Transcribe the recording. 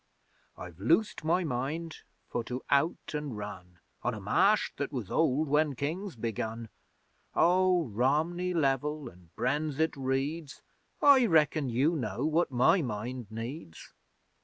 I've loosed my mind for to out an' run On a Marsh that was old when Kings begun: Oh, Romney level an' Brenzett reeds, I reckon you know what my mind needs!